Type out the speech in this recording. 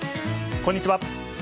こんにちは。